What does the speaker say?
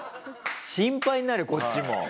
心配になるこっちも。